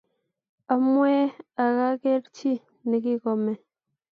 Amwee akeg chi nikikome.